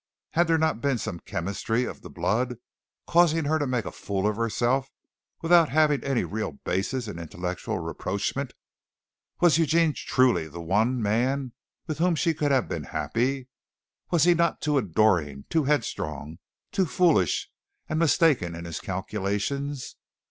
Had there not been some chemistry of the blood, causing her to make a fool of herself, without having any real basis in intellectual rapprochement. Was Eugene truly the one man with whom she could have been happy? Was he not too adoring, too headstrong, too foolish and mistaken in his calculations?